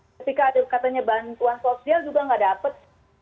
ketika ada katanya bantuan sosial juga nggak dapat